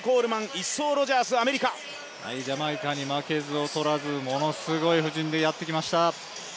ジャマイカに負けず劣らずものすごい布陣でやってきました。